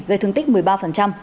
gây thương tích một mươi ba